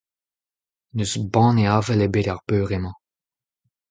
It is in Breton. N'eus banne avel ebet er beure-mañ.